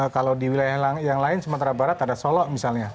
kalau di wilayah yang lain sumatera barat ada solo misalnya